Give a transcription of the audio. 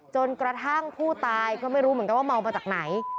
จนกระทั่งผู้ตายก็ไม่รู้เหมือนกันว่าเมามาจากไหน